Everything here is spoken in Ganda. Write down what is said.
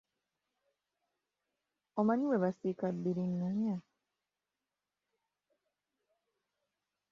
Omanyi bwe basiika bbiringanya?